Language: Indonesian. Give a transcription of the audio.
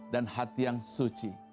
dan hati yang suci